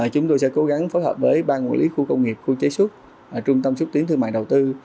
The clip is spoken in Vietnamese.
chúng tôi sẽ cố gắng phối hợp với ba nguồn lý khu công nghiệp khu chế xuất trung tâm xuất tiến thương mạng đầu tư